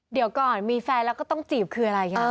เดี๋ยวก่อนมีแฟนแล้วก็ต้องจีบคืออะไรคะ